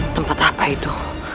tempat apa itu